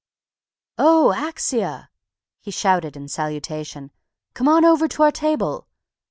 "Oh, Axia!" he shouted in salutation. "C'mon over to our table."